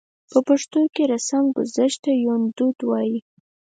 په پښتو کې رسمګذشت ته يوندود وايي.